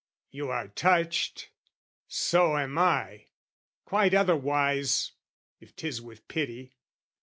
You are touched? So am I, quite otherwise, If 'tis with pity.